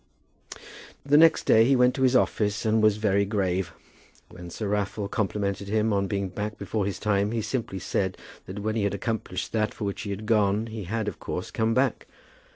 The next day he went to his office and was very grave. When Sir Raffle complimented him on being back before his time, he simply said that when he had accomplished that for which he had gone, he had, of course, come back.